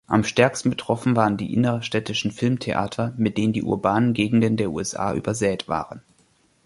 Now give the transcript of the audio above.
Am stärksten betroffen waren die innerstädtischen Filmtheater, mit denen die urbanen Gegenden der USA übersät waren.